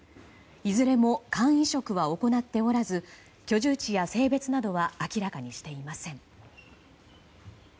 いずれも肝移植は行っておらず居住地や性別などは明らかにしていません。